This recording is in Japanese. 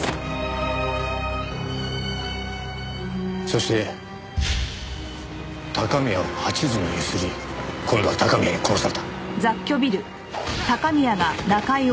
そして高宮を８時に強請り今度は高宮に殺された。